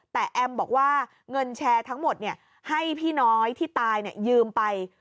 แต่แอมบอกว่าเงินแชร์ทั้งหมดให้พี่น้อยที่ตายยืมไป